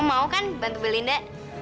mau kan bantu belinda